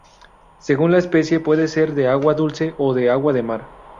Según la especie, pueden ser de agua dulce o de agua de mar.